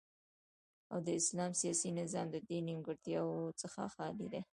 او د اسلام سیاسی نظام ددی نیمګړتیاو څخه خالی دی